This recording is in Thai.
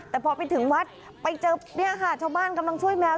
แต่พอไปถึงวัดไปเจอชาวบ้านกำลังช่วยแมว